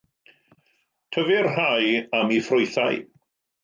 Tyfir rhai am eu ffrwythau.